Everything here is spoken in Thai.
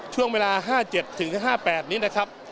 ช่วงเวลา๕๗๕๘นี้นะครับ